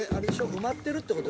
埋まってるってこと。